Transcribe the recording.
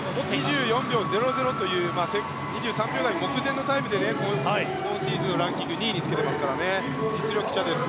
２４秒００という２３秒台目前のタイムで今シーズンのランキング２位につけていますから実力者です。